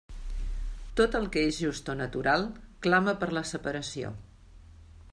Tot el que és just o natural clama per la separació.